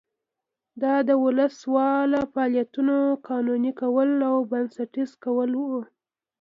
دا د وسله والو فعالیتونو قانوني کول او بنسټیزه کول و.